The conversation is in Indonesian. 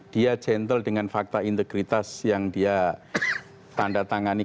dia gentle dengan fakta integritas yang dia tanda tangani